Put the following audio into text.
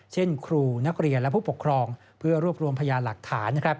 เช่นครูนักเรียนและผู้ปกครองเพื่อรวบรวมพยานหลักฐาน